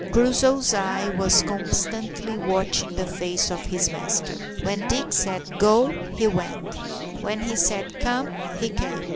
Crusoe's eye was constantly watching the face of his master. When Dick said "Go" he went, when he said "Come" he came.